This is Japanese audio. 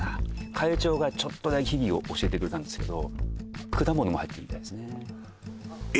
会長がちょっとだけ秘義を教えてくれたんですけど果物も入ってるみたいですねえ！？